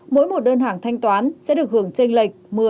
mỗi một đơn hàng thanh toán sẽ được hưởng tranh lệch một mươi hai mươi